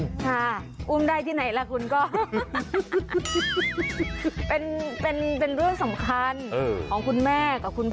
ค่ะอุ้มได้ที่ไหนล่ะคุณก็เป็นเป็นเรื่องสำคัญของคุณแม่กับคุณพ่อ